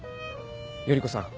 依子さん